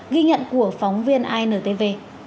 ghi nhận của phóng viên intv